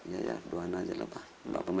ya ya duaan aja lah pak